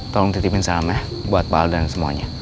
tolong titipin salamnya buat pak al dan semuanya